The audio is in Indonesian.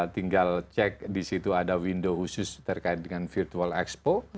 tinggal cek di situ ada window khusus terkait dengan virtual expo